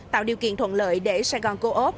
tạo điều kiện thuận lợi để sài gòn cô ốc